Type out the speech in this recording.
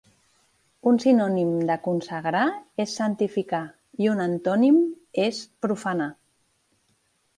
Un sinònim de consagrar és santificar i un antònim és profanar.